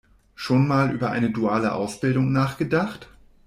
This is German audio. Schon mal über eine duale Ausbildung nachgedacht?